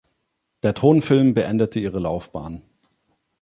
Der Tonfilm beendete ihre Laufbahn.